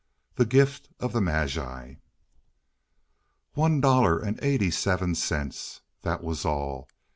THE GIFT OF THE MAGI One dollar and eighty seven cents. That was all.